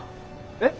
えっ？